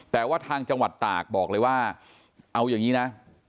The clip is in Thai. แต่ว่าทางจังหวัดตากบอกเลยว่าเอาอย่างนี้นะ